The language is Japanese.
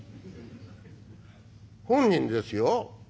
「本人ですよ。